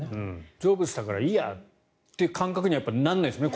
成仏したからいいやって感覚にはならないですね